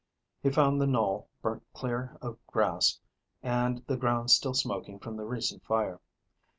He found the knoll burnt clear of grass and the ground still smoking from the recent fire.